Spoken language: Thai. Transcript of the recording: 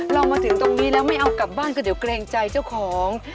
เรามาถึงตรงนี้แล้วไม่เอากลับบ้านก็เดี๋ยวเกรงใจเจ้าของ